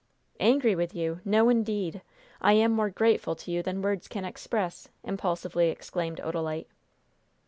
"Angry with you? No, indeed! I am more grateful to you than words can express!" impulsively exclaimed Odalite.